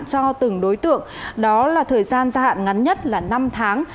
cho từng đối tượng đó là thời gian gia hạn ngắn nhất là năm tháng